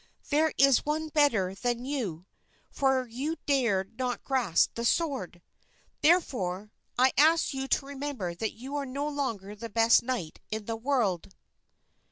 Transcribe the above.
There is one better than you, for you dared not grasp the sword! Therefore, I ask you to remember that you are no longer the best knight in the world."